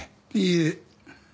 いいえ。